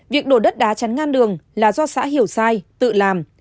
việc đổ đất đá chắn ngăn đường là do xã hiểu sai tự làm